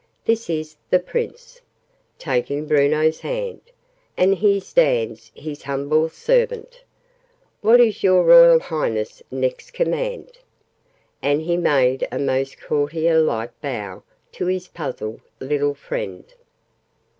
This is the Prince " (taking Bruno's hand) "and here stands his humble Servant! What is your Royal Highness next command?" And he made a most courtier like low bow to his puzzled little friend.